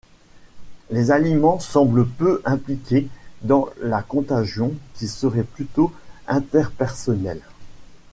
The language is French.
Les aliments semblent peu impliqués dans la contagion qui serait plutôt interpersonnelle.